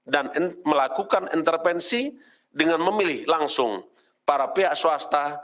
dan melakukan intervensi dengan memilih langsung para pihak swasta